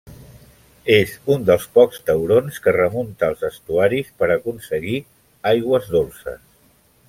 És un dels pocs taurons que remunta els estuaris per aconseguir aigües dolces.